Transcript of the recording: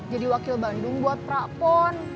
jadi wakil bandung buat prapon